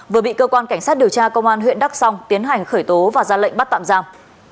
vừa bị cơ quan cảnh sát điều tra công an huyện đắk song tiến hành khởi tố và ra lệnh bắt tạm giam